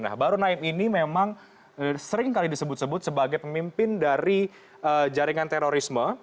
nah baru naim ini memang sering kali disebut sebut sebagai pemimpin dari jaringan terorisme